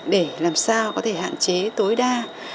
để làm sao có thể hạn chế tối đa